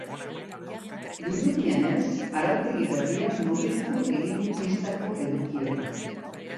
Dirudienez, arautegi berriak murriztu egin du pistako edukiera.